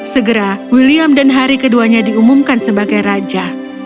segera william dan hari keduanya diumumkan sebagai raja